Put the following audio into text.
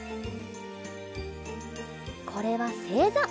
これはせいざ。